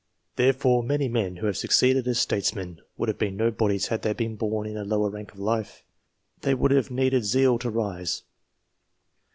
Therefore, many men who have succeeded as statesmen, would have been nobodies had they been born in a lower rank of life : they would have needed zeal to rise.